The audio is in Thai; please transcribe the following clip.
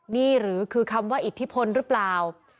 นี่หรือคือคำว่าอิทธิพลหรือเปล่า